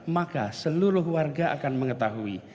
maka seluruh warga akan mengetahui